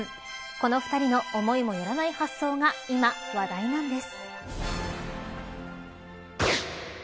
この２人の思いもよらない発想が今、話題なんです。